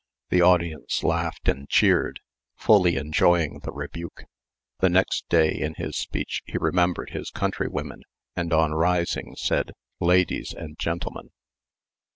The audience laughed and cheered, fully enjoying the rebuke. The next day in his speech he remembered his countrywomen, and on rising said, "Ladies and gentlemen."